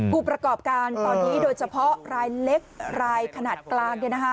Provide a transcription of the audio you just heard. ผู้ประกอบการตอนนี้โดยเฉพาะรายเล็กรายขนาดกลาง